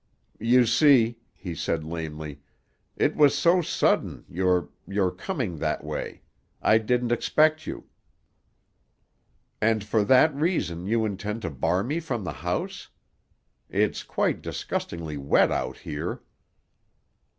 "You see," he said lamely, "it was so sudden, your—your coming that way. I didn't expect you." "And for that reason you intend to bar me from the house? It's quite disgustingly wet out here."